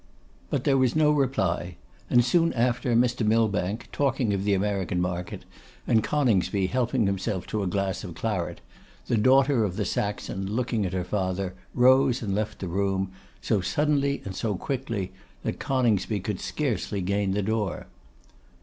But there was no reply; and soon after, Mr. Millbank talking of the American market, and Coningsby helping himself to a glass of claret, the daughter of the Saxon, looking at her father, rose and left the room, so suddenly and so quickly that Coningsby could scarcely gain the door.